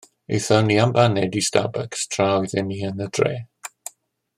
Aethon ni am baned i Starbucks tra oedden ni yn y dre.